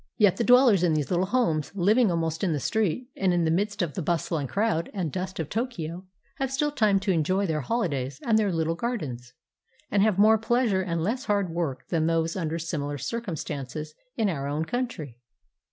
Yet the dwellers in these little homes, Hving almost in the street, and in the midst of the bustle and crowd and dust of Tokyo, have still time to enjoy their holidays and their Uttle gardens, and have more pleasure and less hard work than those under simi lar circumstances in our own country.